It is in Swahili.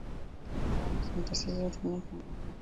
Aghalabu sentensi hizi hutumia viunganishi